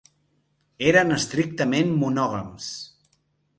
Eren estrictament monògams.